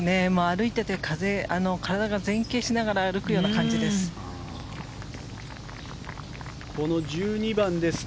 歩いていて体が前傾しながら歩くような感じです。